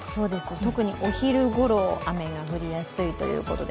特にお昼ごろ雨が降りやすいということで